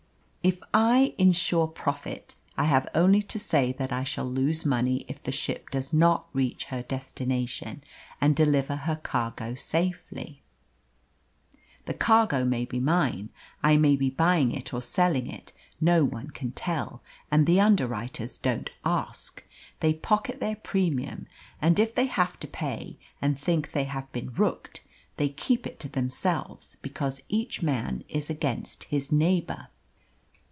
If I insure profit I have only to say that I shall lose money if the ship does not reach her destination and deliver her cargo safely. The cargo may be mine; I may be buying it or selling it; no one can tell, and the underwriters don't ask. They pocket their premium, and if they have to pay, and think they have been rooked, they keep it to themselves, because each man is against his neighbour."